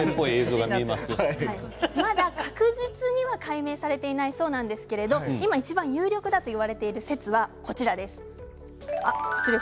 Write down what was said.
確実には解明されていないそうなんですが有力だといわれている説はこちらです。